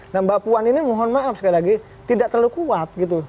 nah mbak puan ini mohon maaf sekali lagi tidak terlalu kuat gitu